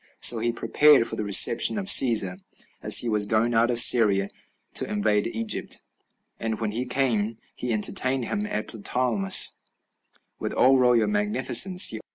So he prepared for the reception of Cæsar, as he was going out of Syria to invade Egypt; and when he came, he entertained him at Ptolemais with all royal magnificence.